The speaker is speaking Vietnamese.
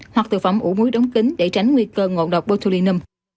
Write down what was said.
hoặc thực phẩm ủ muối đóng kính để tránh nguy cơ ngộ độc botulinum